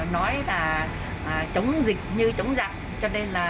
nói là chống dịch như chống giặc